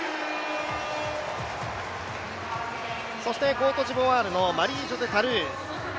コートジボワールのマリージョゼ・タルー。